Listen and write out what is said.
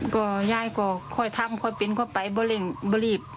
ก็ยายก็ค่อยทำค่อยปิ๊นเข้าไปไม่รีบ